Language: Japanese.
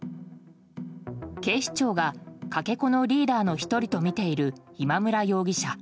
警視庁が、かけ子のリーダーの１人とみている今村容疑者。